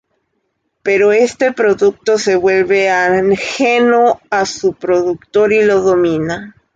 Pero este producto se vuelve ajeno a su productor y lo domina.